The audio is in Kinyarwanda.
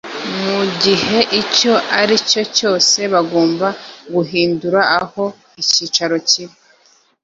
mu igiheicyo ari cyo cyose bagomba guhindura aho icyicaro kiri